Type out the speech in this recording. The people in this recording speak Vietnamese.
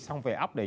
xong về up đấy